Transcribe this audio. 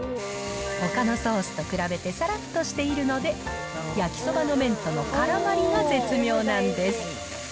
ほかのソースと比べてさらっとしているので、焼きそばの麺とのからまりが絶妙なんです。